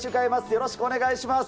よろしくお願いします。